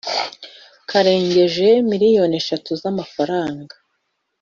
karengeje miliyoni eshatu z amafaranga